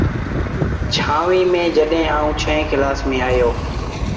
ڇآنوي ميݩ جڏهيݩ آئوٚݩ ڇوهيݩ ڪلآس ميݩ آيو ۔